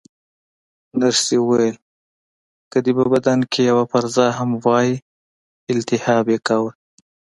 نرسې وویل: که دې په بدن کې یوه پرزه هم وای، التهاب یې کاوه.